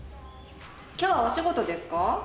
今日はお仕事ですか？